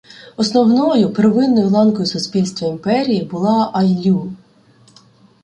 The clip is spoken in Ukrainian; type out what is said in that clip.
Основною, первинною ланкою суспільства імперії була айлью.